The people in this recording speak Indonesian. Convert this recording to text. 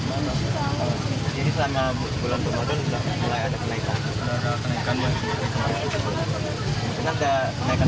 jadi selama bulan ramadan sudah mulai ada kenaikan